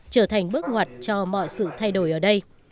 trở thành bước ngoặt cho mọi sự thay đổi ở đây